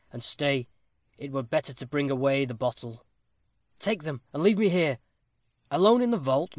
And stay, it were better to bring away the bottle." "Take them, and leave me here." "Alone in the vault?